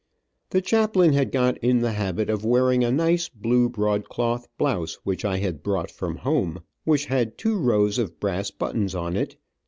The chaplain had got in the habit of wearing a nice, blue broadcloth blouse which I had brought from home, which had two rows of brass buttons on it.